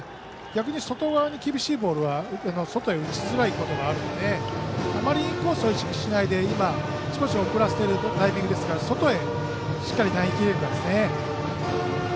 逆に外側に厳しいボールは外に打ちづらいこともあるのであまりインコースを意識しないで今、少し遅らせているタイミングですから外へ投げきれるかですね。